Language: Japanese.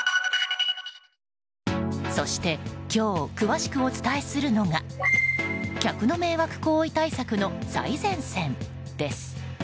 そして今日詳しくお伝えするのが客の迷惑行為対策の最前線です。